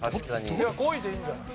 ５位でいいんじゃない？